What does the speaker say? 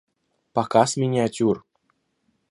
Показ миниатюр